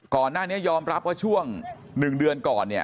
ก่อนหน้านี้ยอมรับว่าช่วง๑เดือนก่อนเนี่ย